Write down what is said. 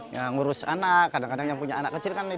yang ngurus anak kadang kadang yang punya anak kecil kan